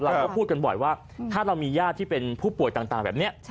เราก็พูดกันบ่อยว่าถ้าเรามีญาติที่เป็นผู้ป่วยต่างแบบนี้